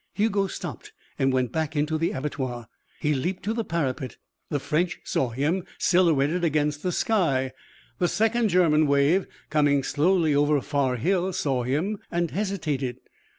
Hugo stopped and went back into the abattoir. He leaped to the parapet. The French saw him, silhouetted against the sky. The second German wave, coming slowly over a far hill, saw him and hesitated.